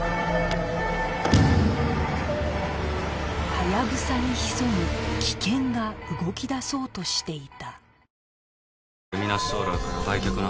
ハヤブサに潜む危険が動きだそうとしていた